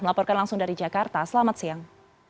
melaporkan langsung dari jakarta selamat siang